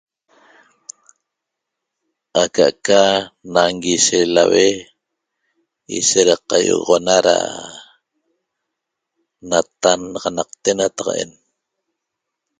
Aca'aca nanguishe laue ishet ra qaigoxona ra natannaxanaqte nataqa'en